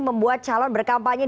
membuat calon berkampanye